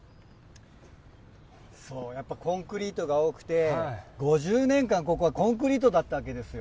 そう、やっぱコンクリートが多くて、５０年間、ここはコンクリートだったわけですよ。